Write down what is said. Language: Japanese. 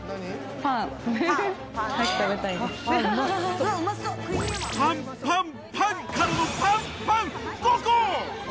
パンパンパンからのパンパン５個！